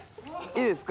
いいですか？